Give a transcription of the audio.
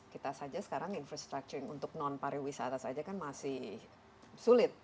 kita saja sekarang infrastructuring untuk non pariwisata saja kan masih sulit